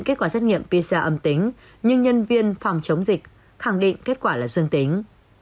kết quả xét nghiệm pisa âm tính nhưng nhân viên phòng chống dịch khẳng định kết quả là dương tính